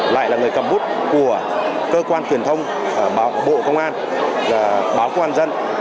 lại là người cầm bút của cơ quan truyền thông bộ công an và báo công an dân